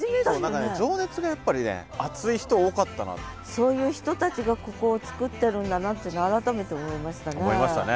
そういう人たちがここをつくってるんだなっていうのを改めて思いましたね。